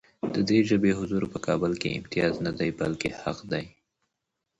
د دې ژبې حضور په کابل کې امتیاز نه دی، بلکې حق دی.